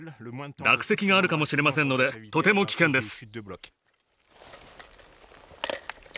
落石があるかもしれませんのでとても危険です。